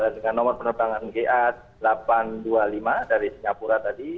dengan nomor penerbangan ga delapan ratus dua puluh lima dari singapura tadi